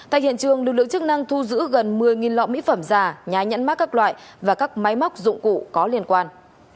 tại hiện trường lực lượng chức năng thu giữ gần một mươi lọ mỹ phẩm giả nhái nhãn mát các loại và các máy móc dụng cụ có liên quan